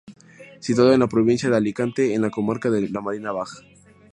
Situado en la provincia de Alicante, en la comarca de la Marina Baja.